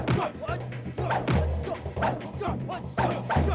tenang kayak lo ya